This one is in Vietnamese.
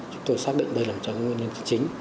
chúng tôi xác định đây là một trong những nguyên nhân chính